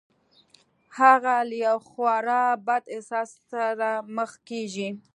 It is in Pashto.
هغه له یوه خورا بد احساس سره مخ کېږي